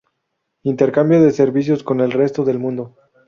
Intercambio de servicios con el resto del mundo.